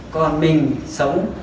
còn mình sống